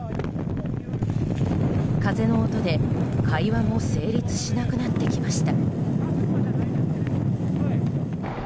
風の音で、会話も成立しなくなってきました。